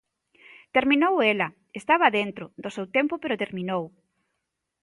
Terminou ela, estaba dentro do seu tempo pero terminou.